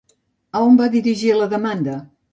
A on va dirigir la demanda?